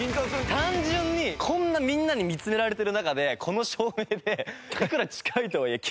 単純にこんなみんなに見つめられてる中でこの照明で。